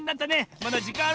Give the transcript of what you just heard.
まだじかんあるぞ。